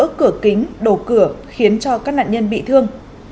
vụ nổ làm vỡ cửa kính đổ cửa khiến cho các nạn nhân bị thương